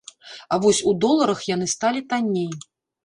А вось у доларах яны сталі танней.